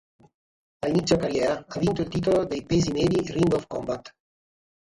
A inizio carriera ha vinto il titolo dei pesi medi Ring of Combat.